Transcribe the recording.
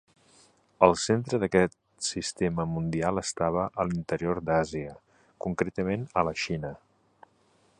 El centre d'aquest sistema mundial estava a l'interior d'Àsia, concretament a la Xina.